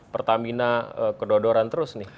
pertamina kedodoran terus nih